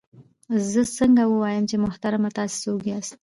زه څنګه ووایم چې محترمه تاسې څوک یاست؟